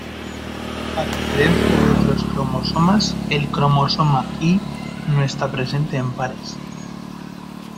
A diferencia de otros cromosomas, el cromosoma Y no está presente en pares.